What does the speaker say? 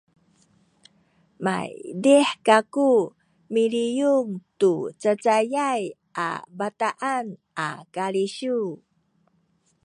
maydih kaku miliyun tu cacayay a bataan a kalisiw